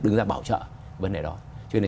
đứng ra bảo trợ vấn đề đó cho nên